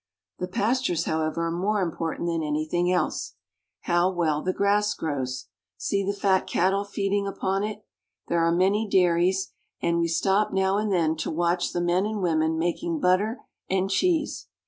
The pastures, however, are more important than any thing else. How well the grass grows. See the fat cattle feeding upon it. There are many dai ries, and we stop now and then to watch the men and women making butter and cheese.